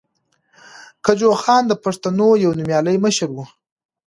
کجوخان د پښتنو یو نومیالی مشر ؤ.